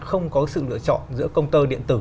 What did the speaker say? không có sự lựa chọn giữa công tơ điện tử